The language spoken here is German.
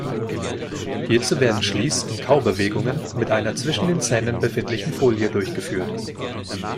Hierzu werden Schließ- und Kaubewegungen mit einer zwischen den Zähnen befindlichen Folie durchgeführt.